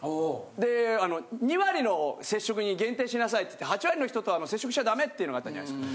であの２割の接触に限定しなさいっつって８割の人とは接触しちゃだめっていうのがあったじゃないですか。